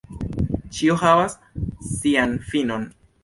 Ĉio havas sian finon.